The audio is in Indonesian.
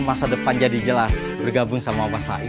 masa depan jadi jelas bergabung sama abang sain